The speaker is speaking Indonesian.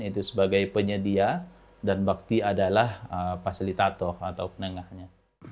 itu sebagai penyedia dan bakti adalah fasilitator atau penengahnya